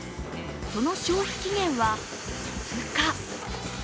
その消費期限は２日。